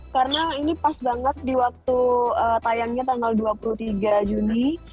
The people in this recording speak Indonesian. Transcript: karena ini pas banget di waktu tayangnya tanggal dua puluh tiga juni